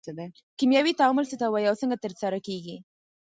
کیمیاوي تعامل څه ته وایي او څنګه ترسره کیږي